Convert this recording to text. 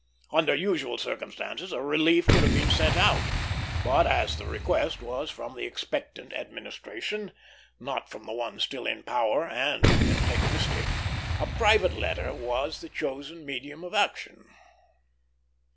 Under usual circumstances a relief would have been sent out; but as the request was from the expectant administration, not from the one still in power and antagonistic, a private letter was the chosen medium of action.